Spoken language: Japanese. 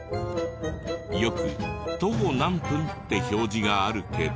よく「徒歩何分」って表示があるけど。